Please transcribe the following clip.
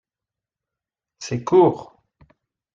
C’est court